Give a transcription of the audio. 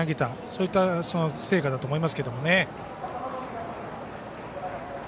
そういった成果だと思いますね。